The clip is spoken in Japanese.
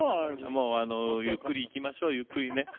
もうゆっくりいきましょうゆっくりね。